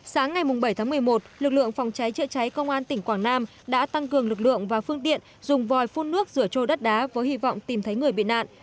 sáng ngày bảy tháng một mươi một lực lượng phòng cháy chữa cháy công an tỉnh quảng nam đã tăng cường lực lượng và phương tiện dùng vòi phun nước rửa trôi đất đá với hy vọng tìm thấy người bị nạn